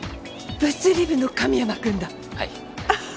物理部の神山くんだはい